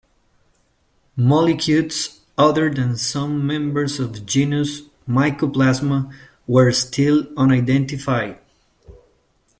Mollicutes other than some members of genus "Mycoplasma" were still unidentified.